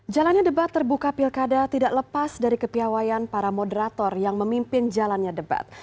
jalannya debat terbuka pilkada tidak lepas dari kepiawayan para moderator yang memimpin jalannya debat